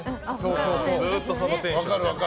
ずっとそのテンション。